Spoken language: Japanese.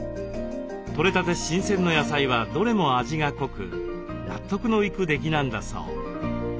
取れたて新鮮の野菜はどれも味が濃く納得のいく出来なんだそう。